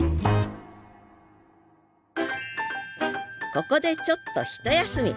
ここでちょっとひと休み！